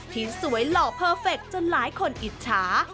ที่สวยหล่อเพอร์เฟคจนหลายคนอิจฉา